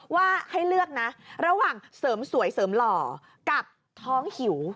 ว่าให้เลือกนะระหว่างเสริมสวยเสริมหล่อกับท้องหิว